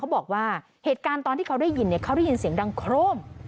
บอกว่าเหตุการณ์ตอนที่เขาได้ยินเขาได้ยินเสียงดังโครม